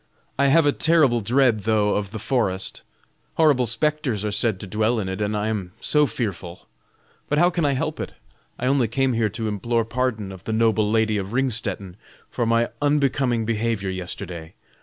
I have a terrible dread though of the forest. Horrible spectres are said to dwell in it, and I am so fearful. But how can I help it? I only came here to implore pardon of the noble lady of Ringstetten for my unbecoming behavior yesterday.